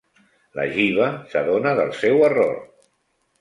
La Jeeva s'adona del seu error.